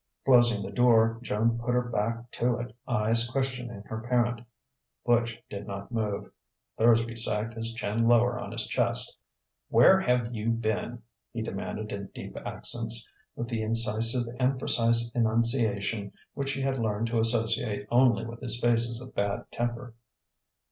Closing the door, Joan put her back to it, eyes questioning her parent. Butch did not move. Thursby sagged his chin lower on his chest. "Where have you been?" he demanded in deep accents, with the incisive and precise enunciation which she had learned to associate only with his phases of bad temper.